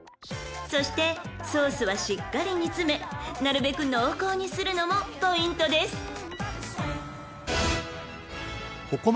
［そしてソースはしっかり煮詰めなるべく濃厚にするのもポイントです］